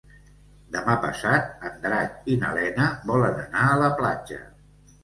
Demà passat en Drac i na Lena volen anar a la platja.